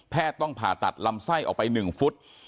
ต้องผ่าตัดลำไส้ออกไป๑ฟุต